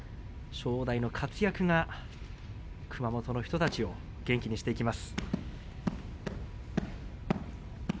正代の活躍が熊本の人たちを元気にしていきます。